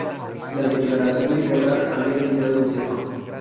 La declaración de guerra habría evitado el cerco.